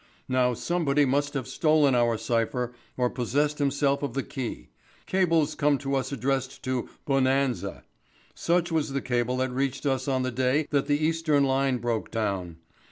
Now somebody must have stolen our cypher or possessed himself of the key. Cables come to us addressed to 'Bonanza.' Such was the cable that reached us on the day that the Eastern line broke down.